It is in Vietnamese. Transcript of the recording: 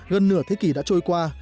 gần nửa thế kỷ đã trôi qua